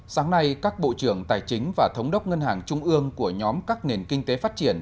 sáng nay các bộ trưởng tài chính và thống đốc ngân hàng trung ương của nhóm các nền kinh tế phát triển